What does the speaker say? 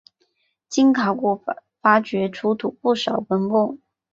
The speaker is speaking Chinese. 经考古发掘出土不少文物。